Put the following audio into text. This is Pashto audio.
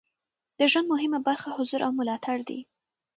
د ژوند مهمه برخه حضور او ملاتړ دی.